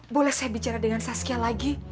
boleh saya bicara dengan saskia lagi